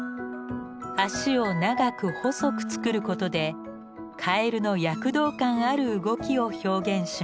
足を長く細く作ることでカエルの躍動感ある動きを表現します。